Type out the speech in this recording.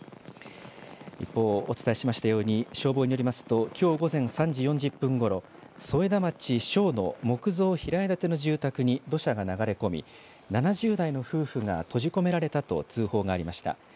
一方、お伝えしましたように、消防によりますと、きょう午前３時４０分ごろ添田町庄の木造平屋建ての住宅に土砂が流れ込み、７０代の夫婦が閉じ込められたと通報がありました。